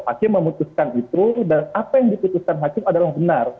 hakim memutuskan itu dan apa yang diputuskan hakim adalah benar